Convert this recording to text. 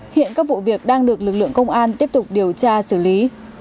hiện các vụ việc đang được lực lượng công an tiếp tục điều tra xử lý